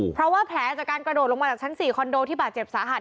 เพราะว่าแผลจากการกระโดดลงมาจากชั้น๔คอนโดที่บาดเจ็บสาหัส